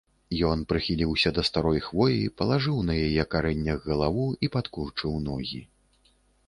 Ён прыхіліўся да старой хвоі, палажыў на яе карэннях галаву і падкурчыў ногі.